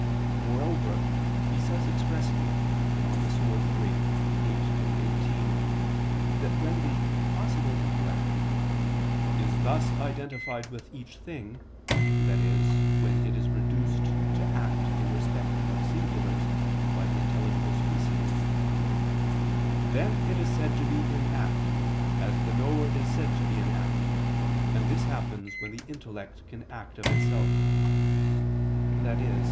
Moreover he says expressly (De Anima iii, text. 8, 18) that when the "possible" intellect "is thus identified with each thing," that is, when it is reduced to act in respect of singulars by the intelligible species, "then it is said to be in act, as the knower is said to be in act; and this happens when the intellect can act of itself," i.e.